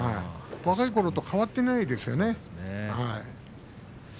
若いころと変わっていないですよね。